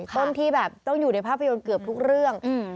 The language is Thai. ต้นที่แบบต้องอยู่ในภาพยนตร์เกือบทุกเรื่อง